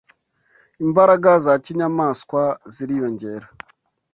Imbaraga za kinyamaswa ziriyongera